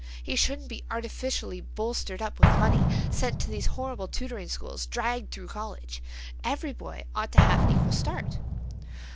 He shouldn't be artificially bolstered up with money, sent to these horrible tutoring schools, dragged through college... Every boy ought to have an equal start."